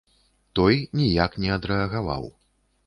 Той ніяк не адрэагаваў.